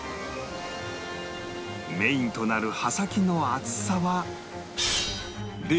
メインとなる刃先の厚さは